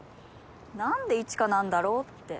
なんで一華なんだろうって